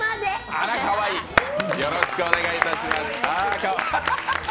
あら、かわいい、よろしくお願いいたします。